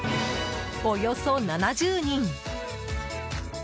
およそ７０人。